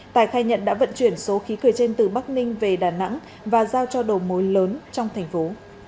tài khai nhận đã vận chuyển số khí cười trên từ bắc ninh về đà nẵng và giao cho đầu mối lớn trong thành phố